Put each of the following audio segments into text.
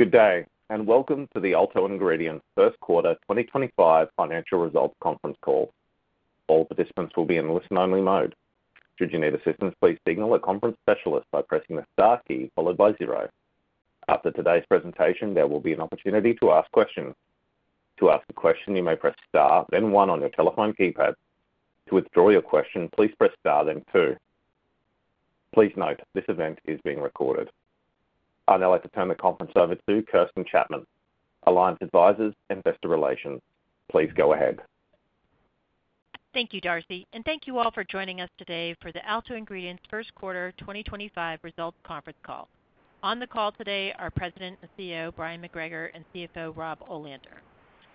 Good day, and welcome to the Alto Ingredients first quarter 2025 financial results conference call. All participants will be in listen-only mode. Should you need assistance, please signal a conference specialist by pressing the star key followed by zero. After today's presentation, there will be an opportunity to ask questions. To ask a question, you may press star then one on your telephone keypad. To withdraw your question, please press star then two. Please note this event is being recorded. I'd now like to turn the conference over to Kirsten Chapman, Alliance Advisors Investor Relations. Please go ahead. Thank you, Darcy, and thank you all for joining us today for the Alto Ingredients First Quarter 2025 Results Conference Call. On the call today are President and CEO Bryon McGregor and CFO Rob Olander.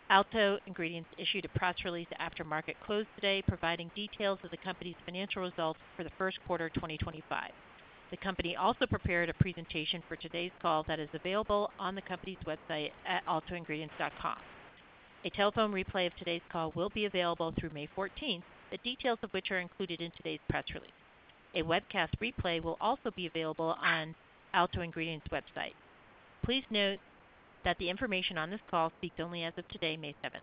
Alto Ingredients issued a press release after market close today providing details of the company's financial results for the first quarter 2025. The company also prepared a presentation for today's call that is available on the company's website at altoingredients.com. A telephone replay of today's call will be available through May 14th, the details of which are included in today's press release. A webcast replay will also be available on Alto Ingredients' website. Please note that the information on this call speaks only as of today, May 7th.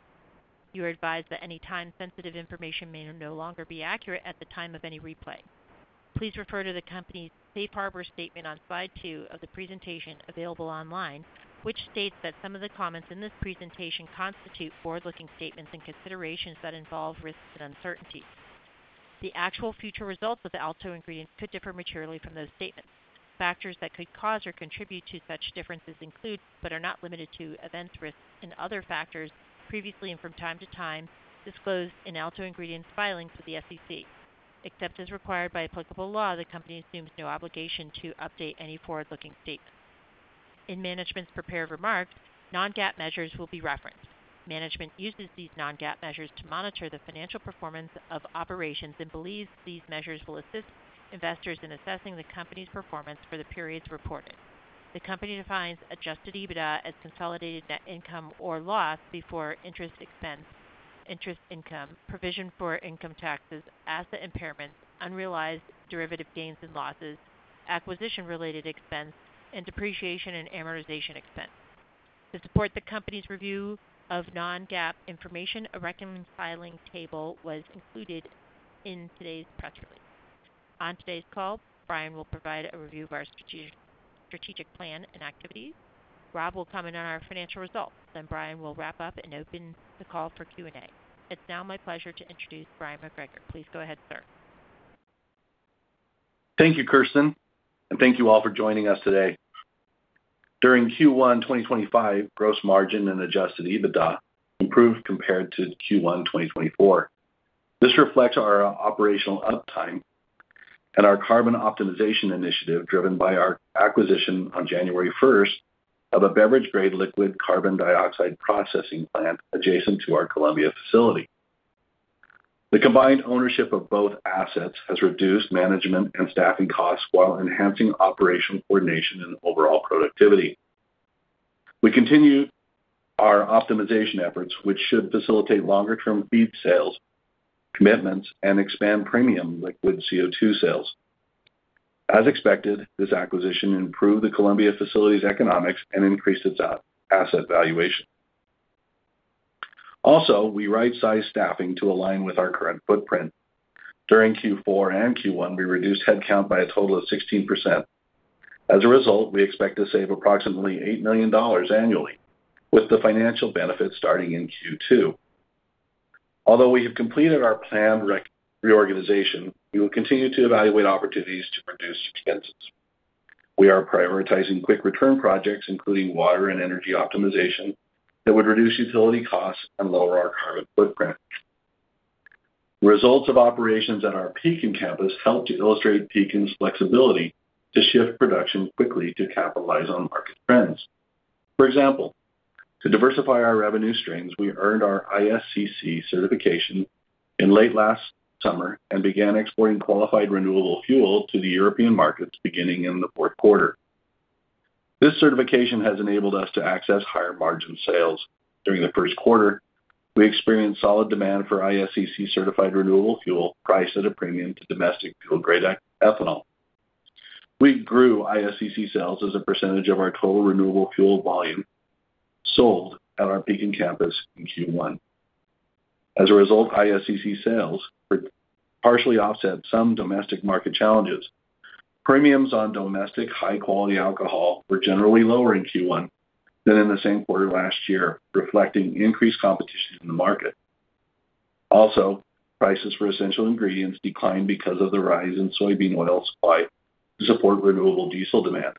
You are advised that any time-sensitive information may no longer be accurate at the time of any replay. Please refer to the company's safe harbor statement on slide two of the presentation available online, which states that some of the comments in this presentation constitute forward-looking statements and considerations that involve risks and uncertainties. The actual future results of Alto Ingredients could differ materially from those statements. Factors that could cause or contribute to such differences include, but are not limited to, events, risks, and other factors previously and from time to time disclosed in Alto Ingredients filings with the Securities and Exchange Commission. Except as required by applicable law, the company assumes no obligation to update any forward-looking statements. In management's prepared remarks, non-GAAP measures will be referenced. Management uses these non-GAAP measures to monitor the financial performance of operations and believes these measures will assist investors in assessing the company's performance for the periods reported. The company defines adjusted EBITDA as consolidated net income or loss before interest income, provision for income taxes, asset impairments, unrealized derivative gains and losses, acquisition-related expense, and depreciation and amortization expense. To support the company's review of non-GAAP information, a reconciliation filing table was included in today's press release. On today's call, Bryon will provide a review of our strategic plan and activities. Rob will comment on our financial results, then Bryon will wrap up and open the call for Q&A. It's now my pleasure to introduce Bryon McGregor. Please go ahead, sir. Thank you, Kirsten, and thank you all for joining us today. During Q1 2025, gross margin and adjusted EBITDA improved compared to Q1 2024. This reflects our operational uptime and our carbon optimization initiative driven by our acquisition on January 1st of a beverage-grade liquid carbon dioxide processing plant adjacent to our Columbia facility. The combined ownership of both assets has reduced management and staffing costs while enhancing operational coordination and overall productivity. We continue our optimization efforts, which should facilitate longer-term feed sales commitments and expand premium liquid CO2 sales. As expected, this acquisition improved the Columbia facility's economics and increased its asset valuation. Also, we right-sized staffing to align with our current footprint. During Q4 and Q1, we reduced headcount by a total of 16%. As a result, we expect to save approximately $8 million annually, with the financial benefits starting in Q2. Although we have completed our planned reorganization, we will continue to evaluate opportunities to reduce expenses. We are prioritizing quick return projects, including water and energy optimization, that would reduce utility costs and lower our carbon footprint. Results of operations at our Pekin Campus help to illustrate Pekin's flexibility to shift production quickly to capitalize on market trends. For example, to diversify our revenue streams, we earned our ISCC certification in late last summer and began exporting qualified renewable fuel to the European markets beginning in the fourth quarter. This certification has enabled us to access higher margin sales. During the first quarter, we experienced solid demand for ISCC-certified renewable fuel, priced at a premium to domestic fuel-grade ethanol. We grew ISCC sales as a percentage of our total renewable fuel volume sold at our Pekin Campus in Q1. As a result, ISCC sales partially offset some domestic market challenges. Premiums on domestic high-quality alcohol were generally lower in Q1 than in the same quarter last year, reflecting increased competition in the market. Also, prices for essential ingredients declined because of the rise in soybean oil supply to support renewable diesel demand.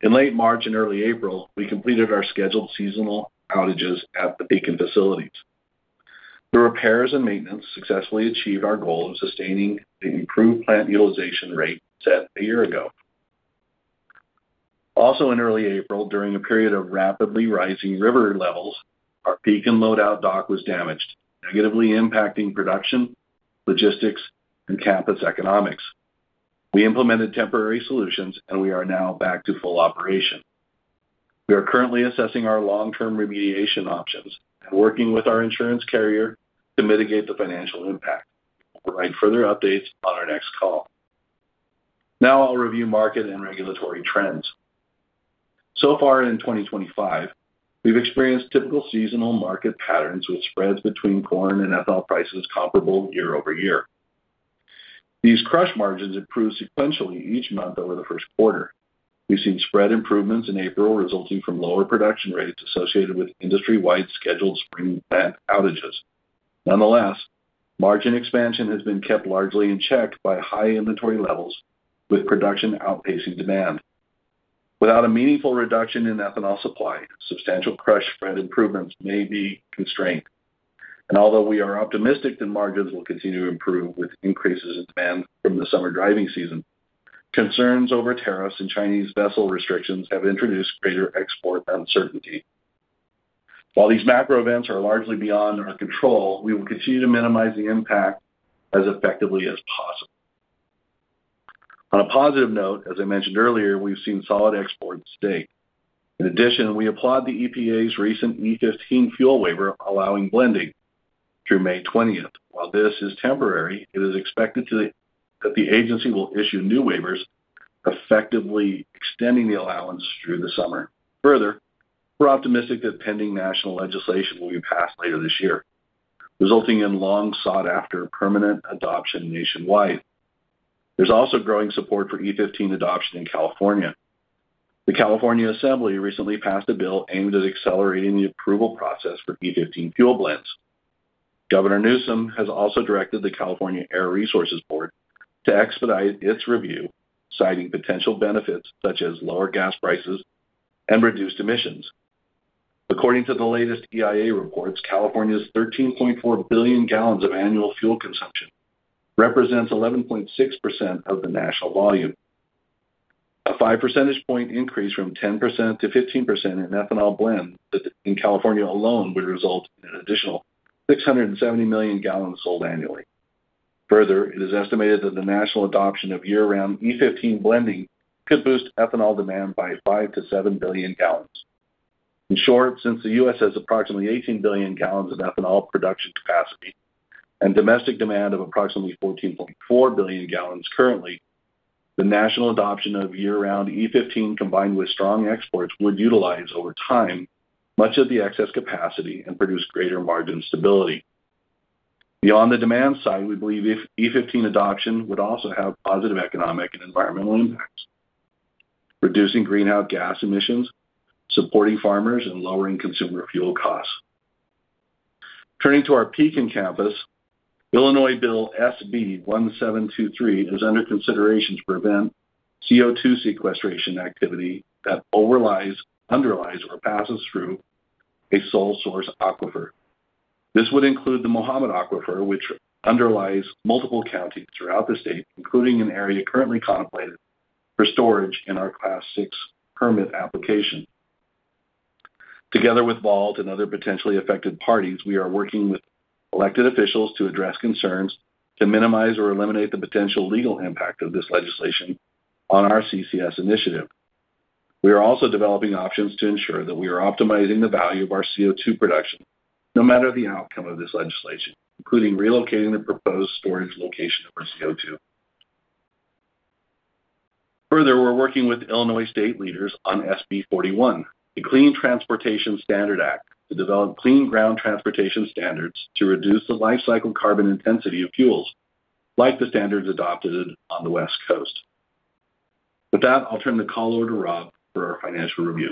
In late March and early April, we completed our scheduled seasonal outages at the Pekin facilities. The repairs and maintenance successfully achieved our goal of sustaining the improved plant utilization rate set a year ago. Also, in early April, during a period of rapidly rising river levels, our Pekin load-out dock was damaged, negatively impacting production, logistics, and campus economics. We implemented temporary solutions, and we are now back to full operation. We are currently assessing our long-term remediation options and working with our insurance carrier to mitigate the financial impact. I'll provide further updates on our next call. Now I'll review market and regulatory trends. So far in 2025, we've experienced typical seasonal market patterns with spreads between corn and ethanol prices comparable year over year. These crush margins improved sequentially each month over the first quarter. We've seen spread improvements in April resulting from lower production rates associated with industry-wide scheduled spring plant outages. Nonetheless, margin expansion has been kept largely in check by high inventory levels with production outpacing demand. Without a meaningful reduction in ethanol supply, substantial crush spread improvements may be constrained. Although we are optimistic that margins will continue to improve with increases in demand from the summer driving season, concerns over tariffs and Chinese vessel restrictions have introduced greater export uncertainty. While these macro events are largely beyond our control, we will continue to minimize the impact as effectively as possible. On a positive note, as I mentioned earlier, we've seen solid exports stay. In addition, we applaud the EPA's recent E15 fuel waiver allowing blending through May 20th. While this is temporary, it is expected that the agency will issue new waivers, effectively extending the allowance through the summer. Further, we're optimistic that pending national legislation will be passed later this year, resulting in long-sought-after permanent adoption nationwide. There's also growing support for E15 adoption in California. The California Assembly recently passed a bill aimed at accelerating the approval process for E15 fuel blends. Governor Newsom has also directed the California Air Resources Board to expedite its review, citing potential benefits such as lower gas prices and reduced emissions. According to the latest EIA reports, California's 13.4 billion gal of annual fuel consumption represents 11.6% of the national volume. A 5 percentage point increase from 10% to 15% in ethanol blends in California alone would result in an additional 670 million gal sold annually. Further, it is estimated that the national adoption of year-round E15 blending could boost ethanol demand by 5 billion gal-7 billion gal. In short, since the U.S. has approximately 18 billion gal of ethanol production capacity and domestic demand of approximately 14.4 billion gal currently, the national adoption of year-round E15 combined with strong exports would utilize over time much of the excess capacity and produce greater margin stability. Beyond the demand side, we believe E15 adoption would also have positive economic and environmental impacts, reducing greenhouse gas emissions, supporting farmers, and lowering consumer fuel costs. Turning to our Pekin Campus, Illinois Bill SB 1723 is under consideration to prevent CO2 sequestration activity that overlies, underlies, or passes through a sole source aquifer. This would include the Mahomet Aquifer, which underlies multiple counties throughout the state, including an area currently contemplated for storage in our Class 6 permit application. Together with Walt and other potentially affected parties, we are working with elected officials to address concerns to minimize or eliminate the potential legal impact of this legislation on our CCS initiative. We are also developing options to ensure that we are optimizing the value of our CO2 production no matter the outcome of this legislation, including relocating the proposed storage location of our CO2. Further, we're working with Illinois state leaders on SB 41, the Clean Transportation Standard Act, to develop clean ground transportation standards to reduce the life cycle carbon intensity of fuels like the standards adopted on the West Coast. With that, I'll turn the call over to Rob for our financial review.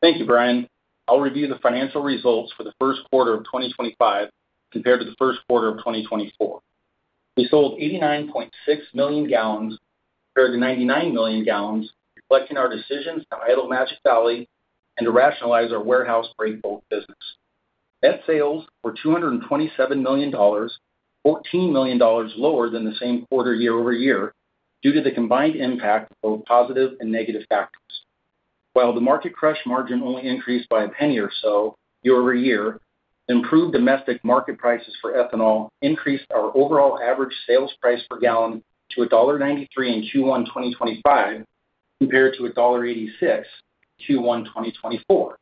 Thank you, Bryon. I'll review the financial results for the first quarter of 2025 compared to the first quarter of 2024. We sold 89.6 million gal compared to 99 million gal, reflecting our decisions to idle Magic Valley and to rationalize our warehouse break bolt business. Net sales were $227 million, $14 million lower than the same quarter year over year due to the combined impact of both positive and negative factors. While the market crush margin only increased by a penny or so year over year, improved domestic market prices for ethanol increased our overall average sales price per to $1.93 in Q1 2025 compared to $1.86 in Q1 2024.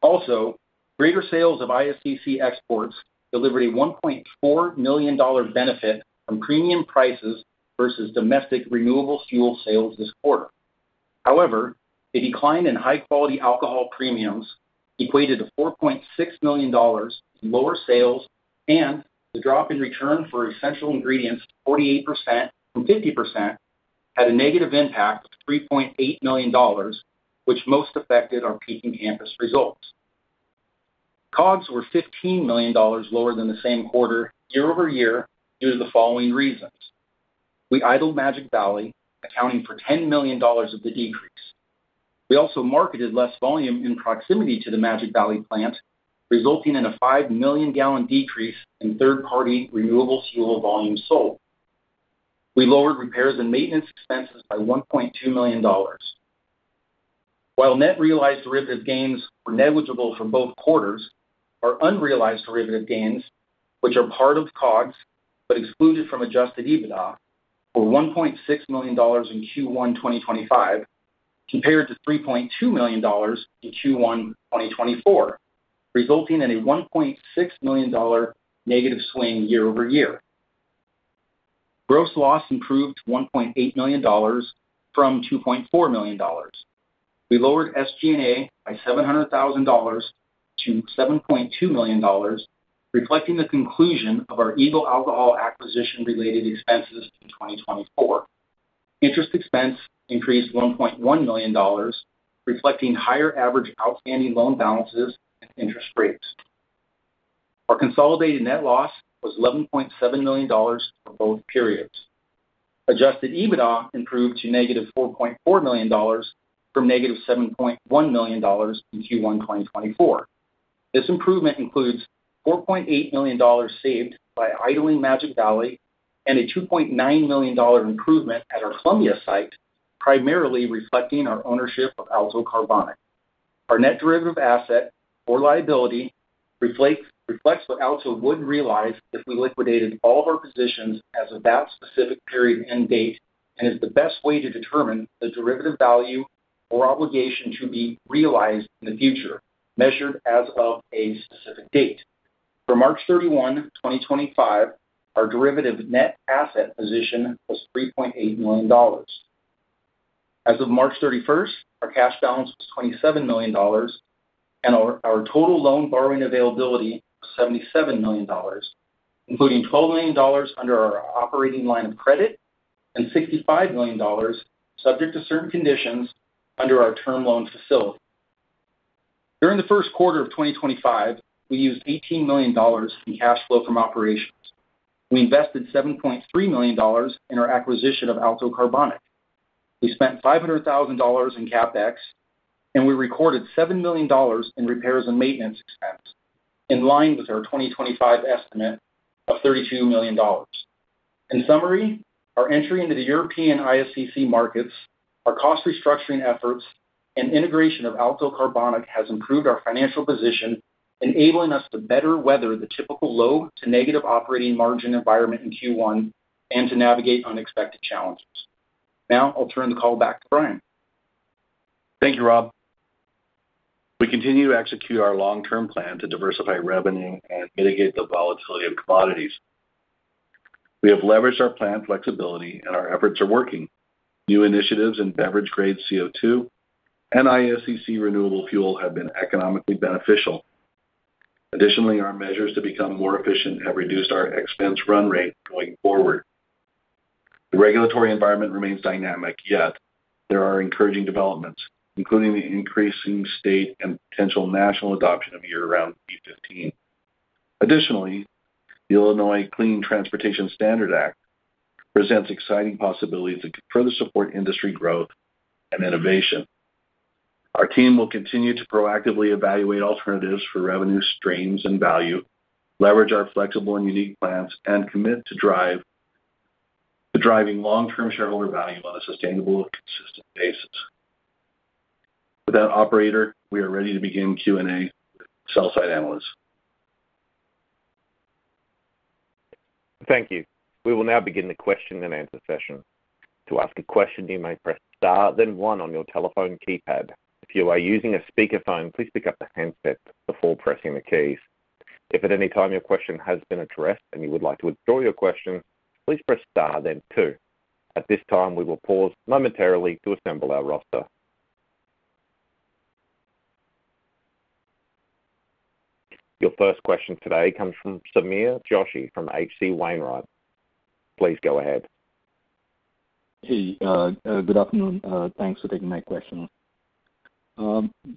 Also, greater sales of ISCC exports delivered a $1.4 million benefit from premium prices versus domestic renewable fuel sales this quarter. However, a decline in high-quality alcohol premiums equated to $4.6 million in lower sales and the drop in return for essential ingredients to 48% from 50% had a negative impact of $3.8 million, which most affected our Pekin Campus results. COGS were $15 million lower than the same quarter year over year due to the following reasons. We idled Magic Valley, accounting for $10 million of the decrease. We also marketed less volume in proximity to the Magic Valley plant, resulting in a 5 million gal decrease in third-party renewable fuel volume sold. We lowered repairs and maintenance expenses by $1.2 million. While net realized derivative gains were negligible for both quarters, our unrealized derivative gains, which are part of COGS but excluded from adjusted EBITDA, were $1.6 million in Q1 2025 compared to $3.2 million in Q1 2024, resulting in a $1.6 million negative swing year-over-year. Gross loss improved to $1.8 million from $2.4 million. We lowered SG&A by $0.7 million to $7.2 million, reflecting the conclusion of our Eagle Alcohol acquisition-related expenses in 2024. Interest expense increased $1.1 million, reflecting higher average outstanding loan balances and interest rates. Our consolidated net loss was $11.7 million for both periods. Adjusted EBITDA improved to negative $4.4 million from negative $7.1 million in Q1 2024. This improvement includes $4.8 million saved by idling Magic Valley and a $2.9 million improvement at our Columbia facility, primarily reflecting our ownership of Alto Carbonic. Our net derivative asset or liability reflects what Alto would realize if we liquidated all of our positions as of that specific period and date, and is the best way to determine the derivative value or obligation to be realized in the future, measured as of a specific date. For March 31, 2025, our derivative net asset position was $3.8 million. As of March 31, our cash balance was $27 million, and our total loan borrowing availability was $77 million, including $12 million under our operating line of credit and $65 million, subject to certain conditions under our term loan facility. During the first quarter of 2025, we used $18 million in cash flow from operations. We invested $7.3 million in our acquisition of Alto Carbonic. We spent $500,000 in CapEx, and we recorded $7 million in repairs and maintenance expense, in line with our 2025 estimate of $32 million. In summary, our entry into the European ISCC markets, our cost restructuring efforts, and integration of Alto Carbonic has improved our financial position, enabling us to better weather the typical low to negative operating margin environment in Q1 and to navigate unexpected challenges. Now I'll turn the call back to Bryon. Thank you, Rob. We continue to execute our long-term plan to diversify revenue and mitigate the volatility of commodities. We have leveraged our planned flexibility, and our efforts are working. New initiatives in beverage-grade CO2 and ISCC renewable fuel have been economically beneficial. Additionally, our measures to become more efficient have reduced our expense run rate going forward. The regulatory environment remains dynamic, yet there are encouraging developments, including the increasing state and potential national adoption of year-round E15. Additionally, the Illinois Clean Transportation Standard Act presents exciting possibilities that could further support industry growth and innovation. Our team will continue to proactively evaluate alternatives for revenue streams and value, leverage our flexible and unique plans, and commit to driving long-term shareholder value on a sustainable and consistent basis. With that, Operator, we are ready to begin Q&A with sell side analysts. Thank you. We will now begin the question and answer session. To ask a question, you may press star then one on your telephone keypad. If you are using a speakerphone, please pick up the handset before pressing the keys. If at any time your question has been addressed and you would like to withdraw your question, please press star then two. At this time, we will pause momentarily to assemble our roster. Your first question today comes from Sameer Joshi from H.C. Wainwright. Please go ahead. Hey, good afternoon. Thanks for taking my question.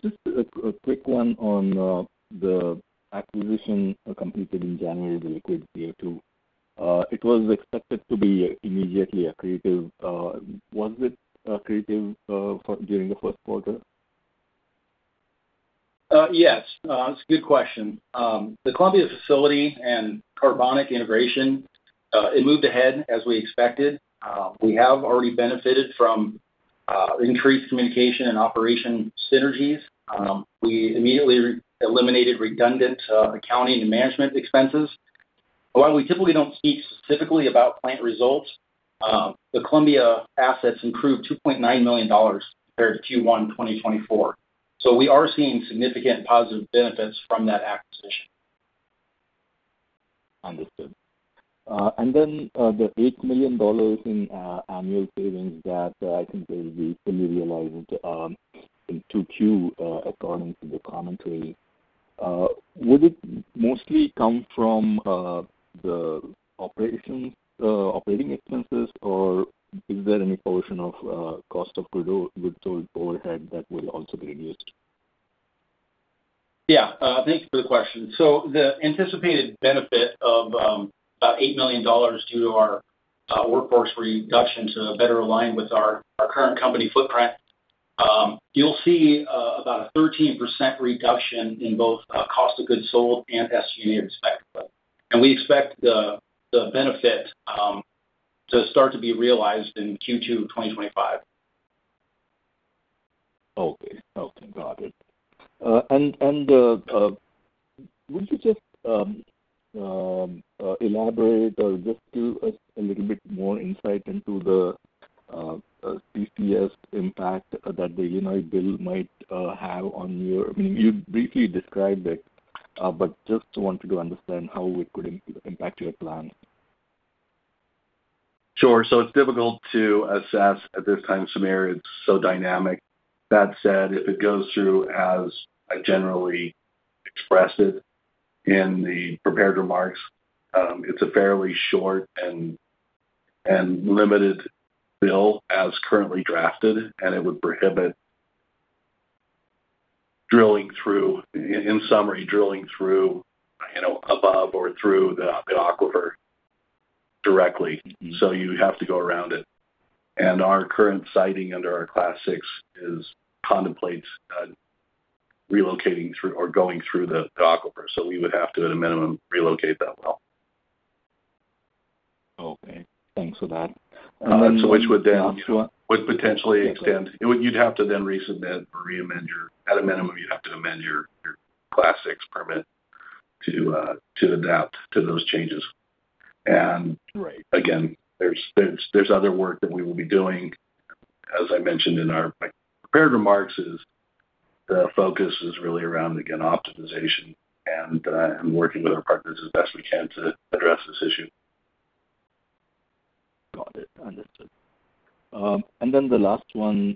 Just a quick one on the acquisition completed in January to liquidate the year two. It was expected to be immediately accretive. Was it accretive during the first quarter? Yes, it's a good question. The Columbia facility and Carbonic integration, it moved ahead as we expected. We have already benefited from increased communication and operation synergies. We immediately eliminated redundant accounting and management expenses. While we typically don't speak specifically about plant results, the Columbia assets improved $2.9 million compared to Q1 2024. We are seeing significant positive benefits from that acquisition. Understood. And then the $8 million in annual savings that I think will be fully realized in Q2 according to the commentary. Would it mostly come from the operating expenses, or is there any portion of cost of goods sold overhead that will also be reduced? Yeah, thanks for the question. The anticipated benefit of about $8 million due to our workforce reduction to better align with our current company footprint, you'll see about a 13% reduction in both cost of goods sold and SG&A respectively. We expect the benefit to start to be realized in Q2 2025. Okay. Okay, got it. Could you just elaborate or just give us a little bit more insight into the TCS impact that the Illinois bill might have on your—I mean, you briefly described it, but just wanted to understand how it could impact your plan. Sure. So it's difficult to assess at this time, Samir. It's so dynamic. That said, if it goes through as I generally expressed it in the prepared remarks, it's a fairly short and limited bill as currently drafted, and it would prohibit drilling through, in summary, drilling through above or through the aquifer directly. You have to go around it. Our current siting under our Class 6 contemplates relocating through or going through the aquifer. We would have to, at a minimum, relocate that well. Okay. Thanks for that. That would then potentially extend. You'd have to then resubmit or amend your, at a minimum, you'd have to amend your Class 6 permit to adapt to those changes. Again, there's other work that we will be doing. As I mentioned in our prepared remarks, the focus is really around, again, optimization and working with our partners as best we can to address this issue. Got it. Understood. And then the last one,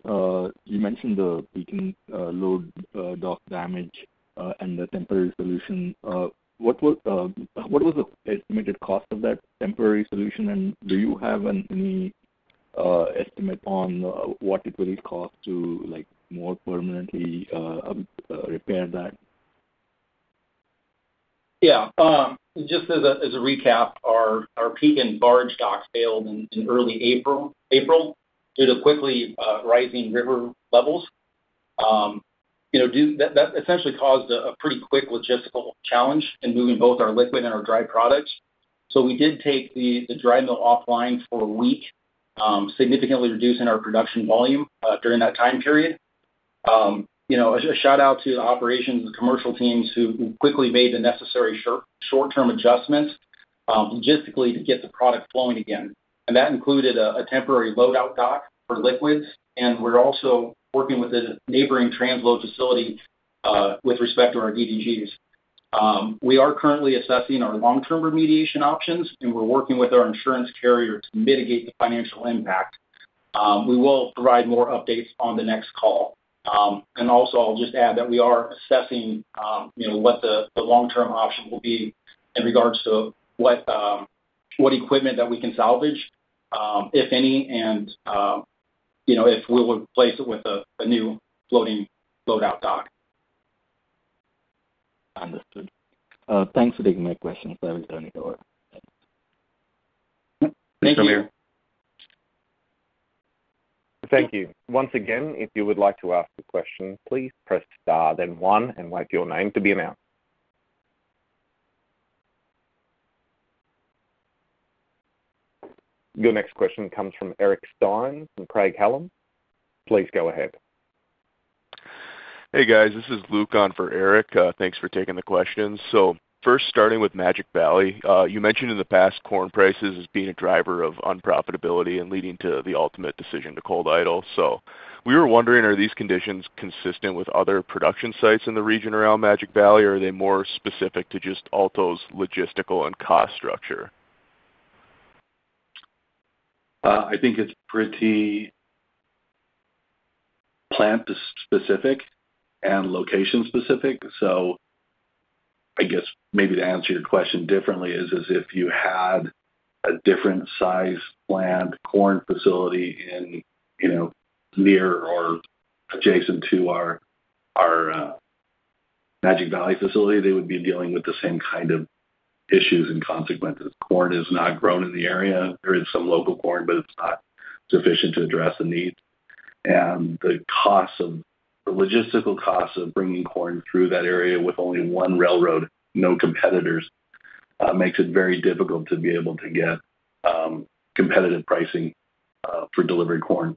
you mentioned the Pekin load dock damage and the temporary solution. What was the estimated cost of that temporary solution? And do you have any estimate on what it will cost to more permanently repair that? Yeah. Just as a recap, our Pekin barge dock failed in early April due to quickly rising river levels. That essentially caused a pretty quick logistical challenge in moving both our liquid and our dry products. We did take the dry mill offline for a week, significantly reducing our production volume during that time period. A shout-out to the operations and commercial teams who quickly made the necessary short-term adjustments logistically to get the product flowing again. That included a temporary loadout dock for liquids. We are also working with a neighboring transload facility with respect to our DDGs. We are currently assessing our long-term remediation options, and we are working with our insurance carrier to mitigate the financial impact. We will provide more updates on the next call. I'll just add that we are assessing what the long-term option will be in regards to what equipment that we can salvage, if any, and if we will replace it with a new floating loadout dock. Understood. Thanks for taking my questions. That will turn it over. Thank you, Sameer. Thank you. Once again, if you would like to ask a question, please press star then one and type your name to be announced. Your next question comes from Eric Stine from Craig-Hallum. Please go ahead. Hey, guys. This is Luke on for Eric. Thanks for taking the questions. First, starting with Magic Valley, you mentioned in the past corn prices as being a driver of unprofitability and leading to the ultimate decision to cold idle. We were wondering, are these conditions consistent with other production sites in the region around Magic Valley, or are they more specific to just Alto's logistical and cost structure? I think it's pretty plant-specific and location-specific. I guess maybe to answer your question differently is if you had a different-size plant corn facility near or adjacent to our Magic Valley facility, they would be dealing with the same kind of issues and consequences. Corn is not grown in the area. There is some local corn, but it's not sufficient to address the need. The logistical cost of bringing corn through that area with only one railroad, no competitors, makes it very difficult to be able to get competitive pricing for delivered corn.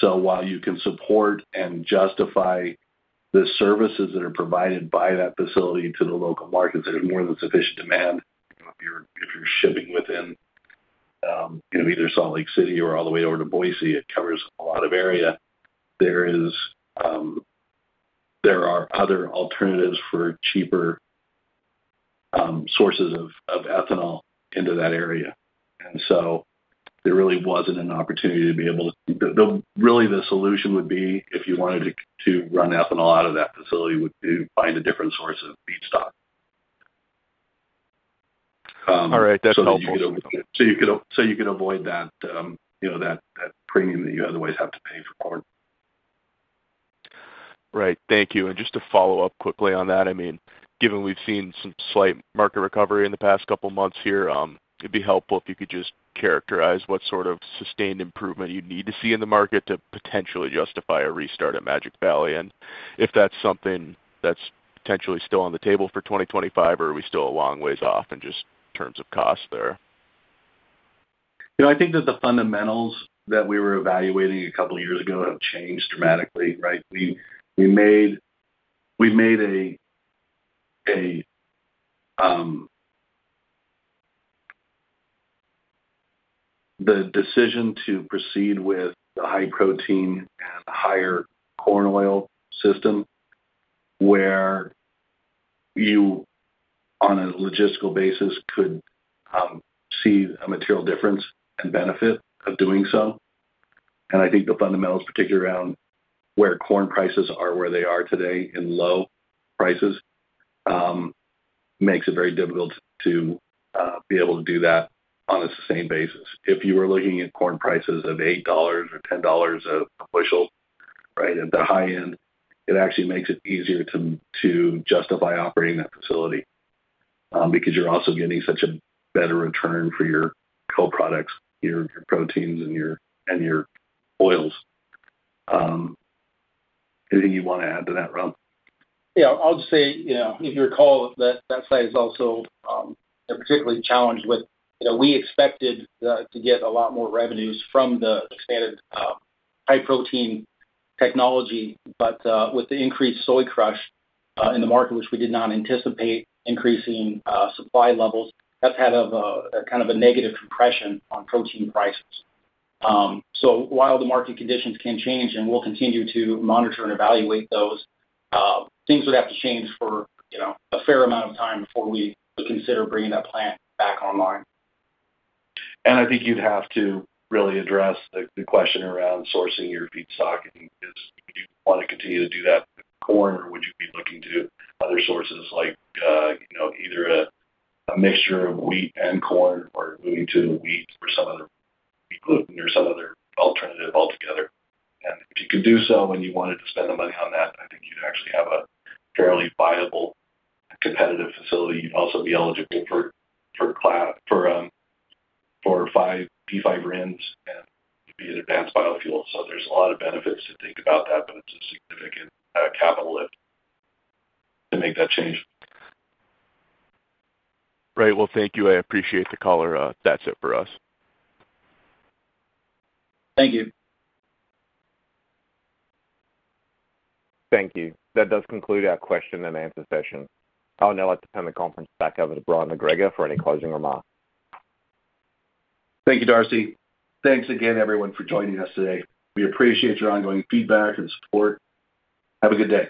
While you can support and justify the services that are provided by that facility to the local markets, there's more than sufficient demand. If you're shipping within either Salt Lake City or all the way over to Boise, it covers a lot of area. There are other alternatives for cheaper sources of ethanol into that area. There really was not an opportunity to be able to—really, the solution would be, if you wanted to run ethanol out of that facility, would be to find a different source of feedstock. All right. That's helpful. You could avoid that premium that you otherwise have to pay for corn. Right. Thank you. And just to follow up quickly on that, I mean, given we've seen some slight market recovery in the past couple of months here, it'd be helpful if you could just characterize what sort of sustained improvement you need to see in the market to potentially justify a restart at Magic Valley. And if that's something that's potentially still on the table for 2025, or are we still a long ways off in just terms of cost there? I think that the fundamentals that we were evaluating a couple of years ago have changed dramatically, right? We made the decision to proceed with the high protein and higher corn oil system where you, on a logistical basis, could see a material difference and benefit of doing so. I think the fundamentals, particularly around where corn prices are where they are today in low prices, makes it very difficult to be able to do that on a sustained basis. If you were looking at corn prices of $8 or $10 a bushel, right, at the high end, it actually makes it easier to justify operating that facility because you're also getting such a better return for your co-products, your proteins, and your oils. Anything you want to add to that, Rob? Yeah. I'll just say, if you recall, that site is also particularly challenged with—we expected to get a lot more revenues from the expanded high protein technology, but with the increased soy crush in the market, which we did not anticipate increasing supply levels, that's had kind of a negative compression on protein prices. While the market conditions can change and we'll continue to monitor and evaluate those, things would have to change for a fair amount of time before we would consider bringing that plant back online. I think you'd have to really address the question around sourcing your feed stock. Do you want to continue to do that with corn, or would you be looking to other sources like either a mixture of wheat and corn or moving to wheat or some other gluten or some other alternative altogether? If you could do so and you wanted to spend the money on that, I think you'd actually have a fairly viable, competitive facility. You'd also be eligible for P5 RINs and be an advanced biofuel. There are a lot of benefits to think about that, but it's a significant capital lift to make that change. Right. Thank you. I appreciate the caller. That's it for us. Thank you. Thank you. That does conclude our question and answer session. I'll now let the panel conference back over to Bryon McGregor for any closing remarks. Thank you, Darcy. Thanks again, everyone, for joining us today. We appreciate your ongoing feedback and support. Have a good day.